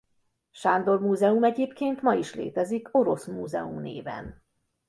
Sándor Múzeum egyébként ma is létezik Orosz Múzeum néven.